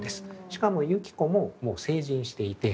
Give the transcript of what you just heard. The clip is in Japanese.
しかも雪子ももう成人していて。